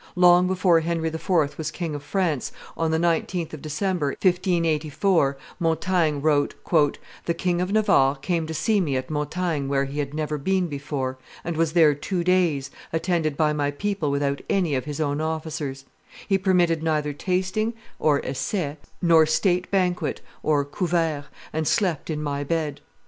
Long before Henry IV. was King of France, on the 19th of December, 1584, Montaigne, wrote, "The King of Navarre came to see me at Montaigne where he had never been before, and was there two days, attended by my people without any of his own officers; he permitted neither tasting (essai) nor state banquet (couvert), and slept in my bed."